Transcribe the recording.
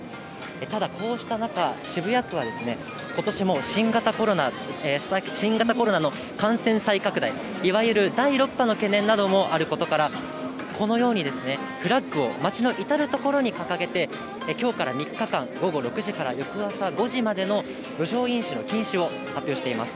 ただ、こうした中、渋谷区は、ことしも、新型コロナの感染再拡大、いわゆる第６波の懸念などもあることから、このようにフラッグを、街の至る所に掲げて、きょうから３日間、午後６時から翌朝５時までの路上飲酒の禁止を発表しています。